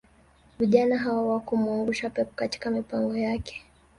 Vijana hawa hawakumuangusha pep katika mipango yake